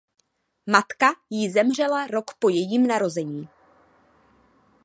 Matka jí zemřela rok po jejím narození.